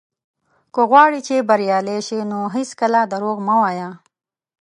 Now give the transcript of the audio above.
که غواړې چې بريالی شې، نو هېڅکله دروغ مه وايه.